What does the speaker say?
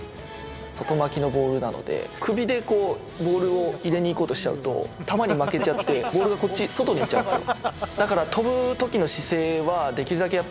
外巻きのボールなので、首でボールを入れにいこうとしちゃうと、球に負けちゃって、ボールがこっち、外に行っちゃうんですよ。